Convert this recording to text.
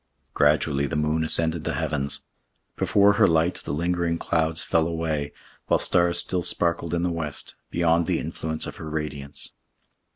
Gradually the moon ascended the heavens. Before her light the lingering clouds fled away, while stars still sparkled in the west, beyond the influence of her radiance.